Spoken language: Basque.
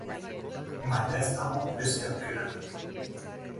Baina ez dago beste aukerarik.